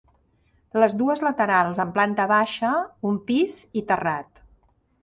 Les dues laterals amb planta baixa, un pis i terrat.